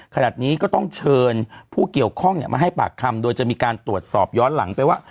ขณะนี้ก็ต้องเชิญผู้เกี่ยวข้องมาให้ปากคำโดยจะมีการตรวจสอบย้อนหลังไปว่า